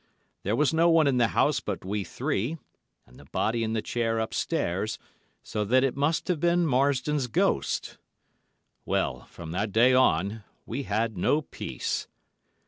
There was no one in the house but we three, and the body in the chair upstairs, so that it must have been Marsdon's ghost. Well, from that day on, we had no peace.